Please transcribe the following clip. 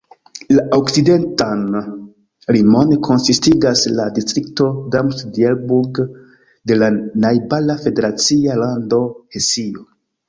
La okcidentan limon konsistigas la distrikto Darmstadt-Dieburg de la najbara federacia lando Hesio.